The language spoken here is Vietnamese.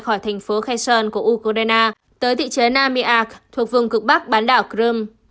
khỏi thành phố kherson của ukraine tới thị trấn amiak thuộc vùng cực bắc bán đảo krum